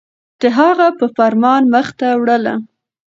د هغه په فرمان مخ ته وړله